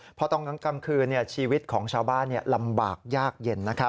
เพราะตอนกลางคืนชีวิตของชาวบ้านลำบากยากเย็น